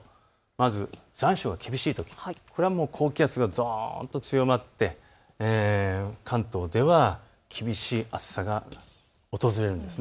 まず残暑が厳しいとき、これは高気圧がどんと強まって関東では厳しい暑さが訪れるんです。